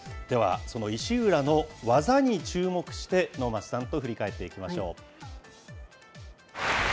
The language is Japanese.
では、その石浦の技に注目して、能町さんと振り返ってみましょう。